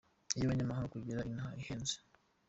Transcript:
Iy’abanyamahanga Kugera inaha ihenze.